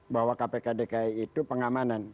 bahwa kpk dki itu pengamanan